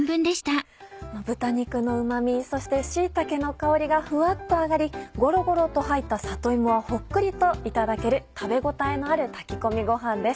豚肉のうま味そして椎茸の香りがフワっと上がりゴロゴロと入った里芋はホックリといただける食べ応えのある炊き込みご飯です。